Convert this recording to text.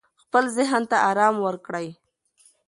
خپل ذهن ته آرام ورکړئ.